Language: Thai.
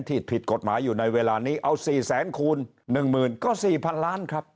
ที่ผิดกฎหมายอยู่ในเวลานี้เอาสี่แสนคูณหนึ่งหมื่นก็สี่พันล้านครับ